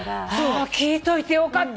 あ聞いといてよかった。